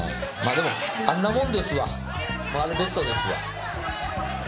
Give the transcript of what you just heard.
でも、あんなもんですわ、あれがベストですわ。